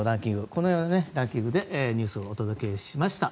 このようなランキングでニュースをお届けしました。